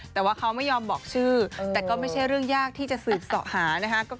แต่ว่าเขาไม่ยอมบอกชื่อแต่ก็ไม่ใช่เรื่องยากที่จะสืบเสาะหานะคะ